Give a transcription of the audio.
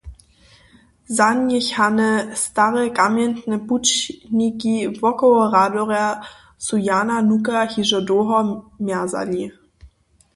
Zanjechane stare kamjentne pućniki wokoło Radworja su Jana Nuka hižo dołho mjerzali.